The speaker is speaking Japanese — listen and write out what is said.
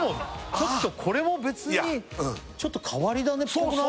ちょっとこれも別にいやうんちょっと変わり種っぽくない？